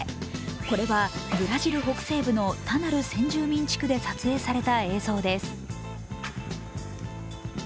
これはブラジル北西部のタナル先住民地区で撮影された映像です。